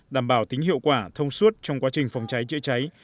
đảm bảo tính hiệu quả thông suốt trong quá trình phòng cháy chữa cháy